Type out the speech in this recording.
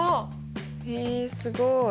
へえすごい。